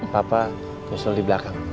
papa nyusul di belakang